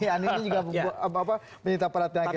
ini juga meminta perhatian kita